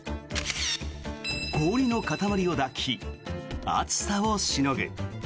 氷の塊を抱き、暑さをしのぐ。